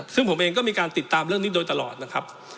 ซึ่งผมเองก็มีการติดตามเรื่องนี้โดยตลอดนะครับ